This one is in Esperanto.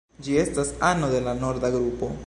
Ĝi estas ano de la norda grupo.